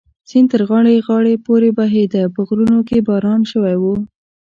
سیند تر غاړې غاړې پورې بهېده، په غرونو کې باران شوی و.